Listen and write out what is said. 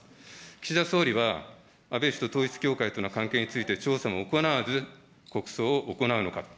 岸田総理は安倍氏と統一教会との関係について調査も行わず、国葬を行うのかと。